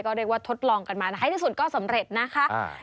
ก็เรียกว่าทดลองกันมาให้สุดก็สำเร็จนะคะ